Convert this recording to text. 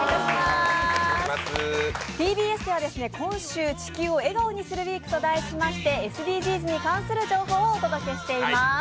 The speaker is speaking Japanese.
ＴＢＳでは今週、「地球を笑顔にするＷＥＥＫ」と題しましてＳＤＧｓに関する情報をお届けしています。